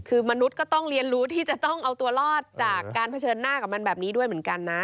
คือมนุษย์ก็ต้องเรียนรู้ที่จะต้องเอาตัวรอดจากการเผชิญหน้ากับมันแบบนี้ด้วยเหมือนกันนะ